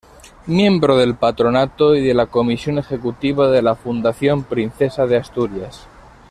Miembro del Patronato y de la Comisión Ejecutiva de la Fundación Princesa de Asturias.